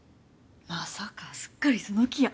まさかすっかりその気や。